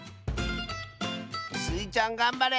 スイちゃんがんばれ！